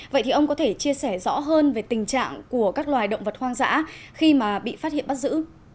vậy thì ông có thể chia sẻ rõ hơn về tình trạng của các loài động vật hoang dã khi mà bị phát hiện bắt giữ